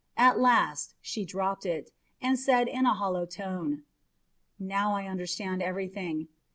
At last she dropped it, and said in a hollow tone: "Now I understand everything.